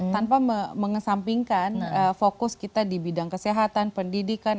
tanpa mengesampingkan fokus kita di bidang kesehatan pendidikan